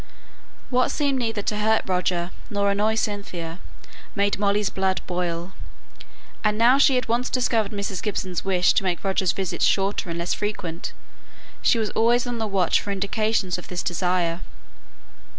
What seemed neither to hurt Roger nor annoy Cynthia made Molly's blood boil; and now she had once discovered Mrs. Gibson's wish to make Roger's visits shorter and less frequent, she was always on the watch for indications of this desire.